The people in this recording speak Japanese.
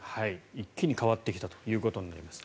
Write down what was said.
一気に変わってきたということになります。